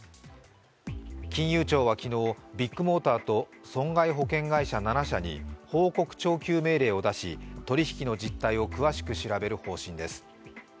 金融庁は昨日ビッグモーターと損害保険会社７社に報告徴求命令を出し、取り引きの実態を詳しく調べる方針です。